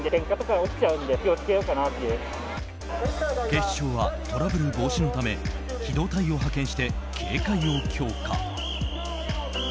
警視庁はトラブル防止のため機動隊を派遣して警戒を強化。